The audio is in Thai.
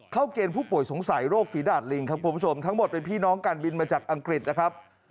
เกณฑ์ผู้ป่วยสงสัยโรคฝีดาดลิงครับคุณผู้ชมทั้งหมดเป็นพี่น้องการบินมาจากอังกฤษนะครับ